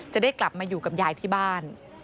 จะได้กลับมาอยู่กับยายที่บ้าน